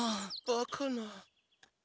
バカな。